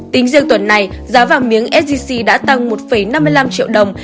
tính riêng tuần này giá vàng miếng sgc đã tăng một năm mươi năm triệu đồng